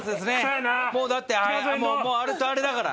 もうだってあれとあれだから。